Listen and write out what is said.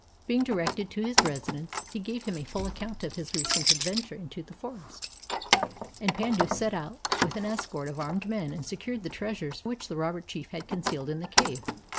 Being directed to his residence he 60 KARMA: A STORY OF BUDDHIST ETHICS gave him a full account of his recent adventure in the forest. And Pandu set out with an escort of armed men and secured the treasures which the robber chief had concealed in the cave.